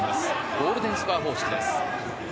ゴールデンスコア方式です。